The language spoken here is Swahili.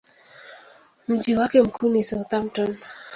Mji wake mkuu ni Southampton.